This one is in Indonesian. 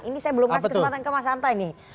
ini saya belum kasih kesempatan ke mas hanta ini